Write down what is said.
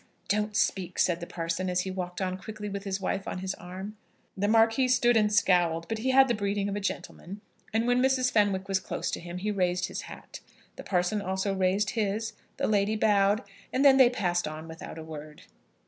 "Don't speak," said the parson, as he walked on quickly with his wife on his arm. The Marquis stood and scowled; but he had the breeding of a gentleman, and when Mrs. Fenwick was close to him, he raised his hat. The parson also raised his, the lady bowed, and then they passed on without a word.